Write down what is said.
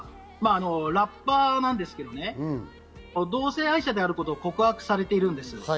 ラッパーなんですけど、同性愛者であることを告白されています。